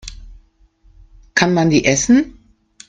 Kann man die essen?